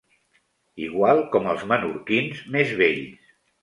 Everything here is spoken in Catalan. Igual com els menorquins més vells.